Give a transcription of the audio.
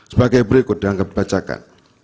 sebagai berikut dianggap bebajakan